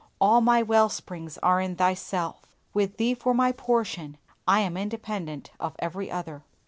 All my well springs are in Thyself; with Thee for my portion I am independent of every other.